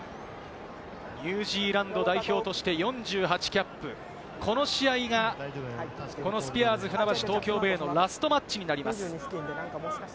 ニュージーランド代表として４８キャップ、この試合がこのスピアーズ船橋・東京ベイのラストマッチになります。